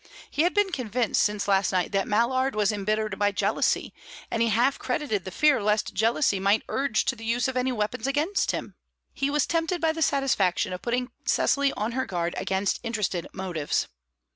He had been convinced since last night that Mallard was embittered by jealousy, and he half credited the fear lest jealousy might urge to the use of any weapons against him; he was tempted by the satisfaction of putting Cecily on her guard against interested motives.